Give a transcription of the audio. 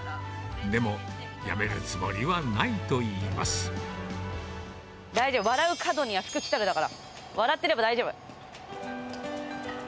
でも、辞めるつもりはないといい大丈夫、笑う門には福来たるだから、笑ってれば大丈夫。